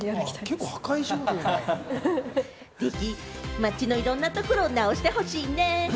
街のいろんなところを直してほしいね。